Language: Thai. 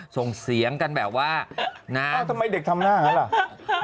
ส่งเสียงกันแบบว่าน้ำทำไมเด็กทำหน้ากันเลย